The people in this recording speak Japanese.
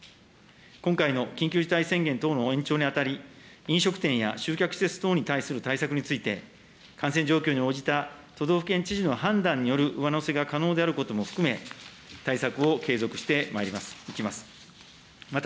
今回の緊急事態宣言等の延長にあたり、飲食店や集客施設等に対する対策について、感染状況に応じた都道府県知事の判断による上乗せが可能であることも含め、対策を継続してまいります。